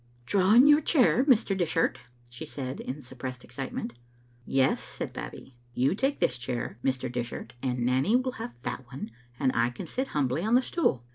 "Draw in your chair, Mr. Dishart," she said, in sup pressed excitement. "Yes," said Babbie, "you take this chair, Mr. Dish art, and Nanny will have that one, and I can sit humbly on the stool.